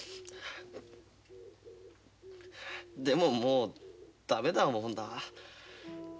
でももうダメだ思うんだわ。